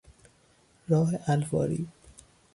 راه الواری